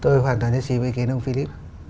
tôi hoàn toàn nhất xí với ý kiến ông phí lý